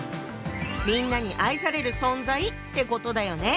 みんなに愛される存在ってことだよね。